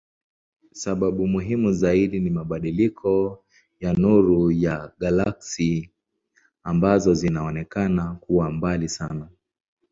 Sababu muhimu zaidi ni mabadiliko ya nuru ya galaksi ambazo zinaonekana kuwa mbali sana.